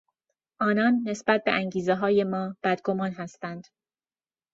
آنان نسبت به انگیزههای ما بدگمان هستند.